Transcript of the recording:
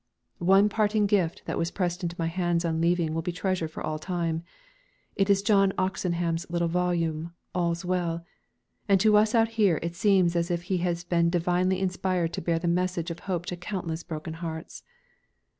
One parting gift that was pressed into my hands on leaving will be treasured for all time. It is John Oxenham's little volume "All's Well," and to us out here it seems as if he has been divinely inspired to bear the message of hope to countless broken hearts.